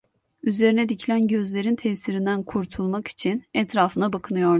Üzerine dikilen gözlerin tesirinden kurtulmak için etrafına bakınıyordu.